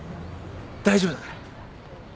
大丈夫だから。